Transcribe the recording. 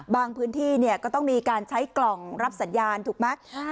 พื้นที่เนี่ยก็ต้องมีการใช้กล่องรับสัญญาณถูกไหม